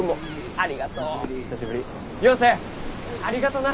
ありがとな！